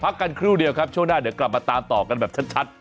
กันครู่เดียวครับช่วงหน้าเดี๋ยวกลับมาตามต่อกันแบบชัด